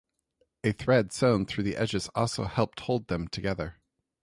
A thread sewn through the edges also helped hold them together.